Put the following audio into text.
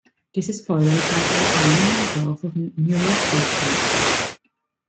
This is followed by the refinement and growth of neural plate cells.